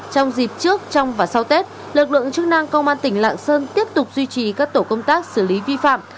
trong dịp trước trong và sau tết lực lượng chức năng công an tỉnh lạng sơn tiếp tục duy trì các tổ công tác xử lý vi phạm